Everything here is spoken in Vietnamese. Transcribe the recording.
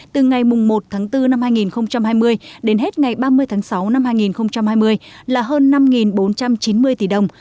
từ ngày một tháng bốn năm hai nghìn hai mươi đến hết ngày ba mươi tháng sáu năm hai nghìn hai mươi là hơn năm bốn trăm chín mươi tỷ đồng